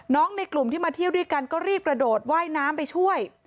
ในกลุ่มที่มาเที่ยวด้วยกันก็รีบกระโดดว่ายน้ำไปช่วย